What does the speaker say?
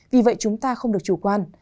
vì vậy chúng ta không được chủ quan